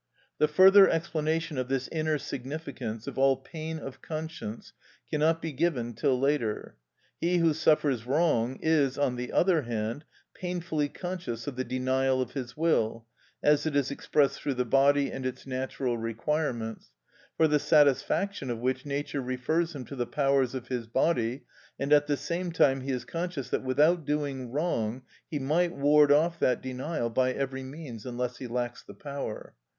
The further explanation of this inner significance of all pain of conscience cannot be given till later. He who suffers wrong is, on the other hand, painfully conscious of the denial of his will, as it is expressed through the body and its natural requirements, for the satisfaction of which nature refers him to the powers of his body; and at the same time he is conscious that without doing wrong he might ward off that denial by every means unless he lacks the power.